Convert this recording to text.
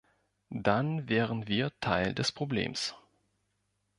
Dann wären wir Teil des Problems.